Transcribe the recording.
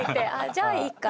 じゃあいいか。